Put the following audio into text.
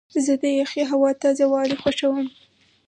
زه د یخې هوا تازه والی خوښوم.